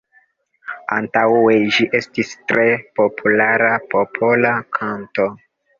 Antaŭe ĝi estis tre populara popola kanto.